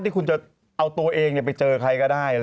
ที่คุณจะเอาตัวเองไปเจอใครก็ได้